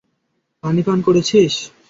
পানি পান করেছিস?